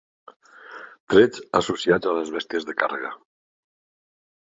Trets associats a les bèsties de càrrega.